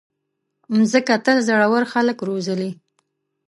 مځکه تل زړور خلک روزلي.